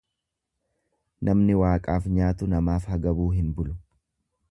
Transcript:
Namni Waaqaaf nyaatu namaaf hagabuu hin bulu.